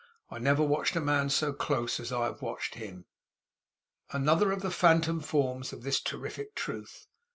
'I never watched a man so close as I have watched him.' Another of the phantom forms of this terrific Truth!